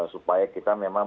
supaya kita memang